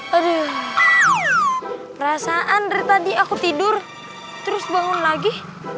aduh perasaan dari tadi aku tidur terus bangun lagi